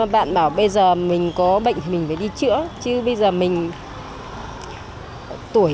bạn bảo bây giờ mình có bệnh thì mình phải đi chữa